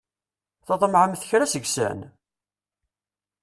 Tḍemɛemt kra seg-sen?